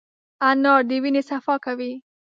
انار د وینې صفا کوي.